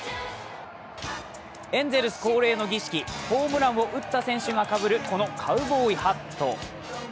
エンゼルス恒例の儀式ホームランを打った選手がかぶるこのカウボーイハット。